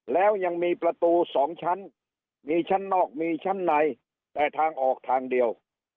แล้วยังมีประตู๒ชั้นมีชั้นนอกมีชั้นในแต่ทางออกทางเดียว